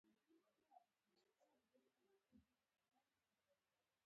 وسله د تسلط وسيله ده